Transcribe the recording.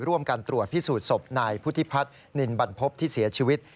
ร่วมกันตรวจพิสูจน์ศพนายพุทธิพัฒนินบรรพบที่เสียชีวิต